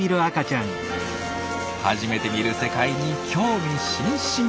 初めて見る世界に興味津々。